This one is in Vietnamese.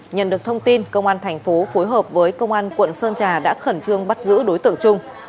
nhận được thông tin công an thành phố phối hợp với công an quận sơn trà đã khẩn trương bắt giữ đối tượng trung